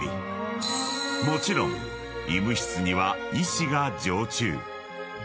［もちろん医務室には医師が常駐］